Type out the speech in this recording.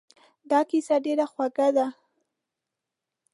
دا کیسه ډېره خوږه ده.